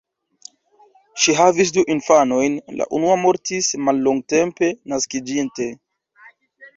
Ŝi havis du infanojn, la unua mortis mallongtempe naskiĝinte.